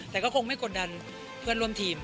แต่ก็คงไม่กดดันเพื่อนร่วมทีม